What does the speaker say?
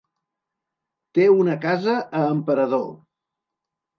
Té una casa a Emperador.